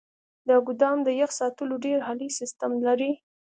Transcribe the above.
دا ګودام د يخ ساتلو ډیر عالي سیستم لري.